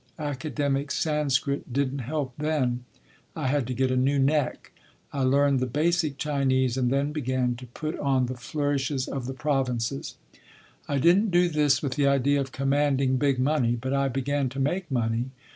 Academic Sanscrit didn’t help then. I had to get a new neck. I learned the basic Chinese and then began to put on the flourishes of the provinces. I didn’t do this with the idea of commanding big money, but I began to make money.